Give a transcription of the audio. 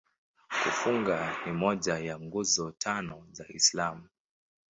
Kufunga ni moja ya Nguzo Tano za Uislamu.